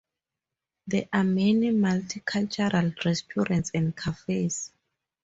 There are many multicultural restaurants and cafes.